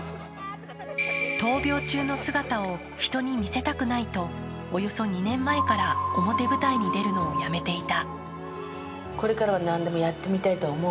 闘病中の姿を人に見せたくないとおよそ２年前から表舞台に出るのをやめていた。